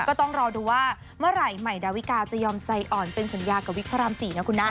ก็ต้องรอดูว่าเมื่อไหร่ใหม่ดาวิกาจะยอมใจอ่อนเซ็นสัญญากับวิกพระราม๔นะคุณนะ